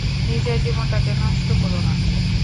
নিজের জীবনটাকে নষ্ট কোরো না।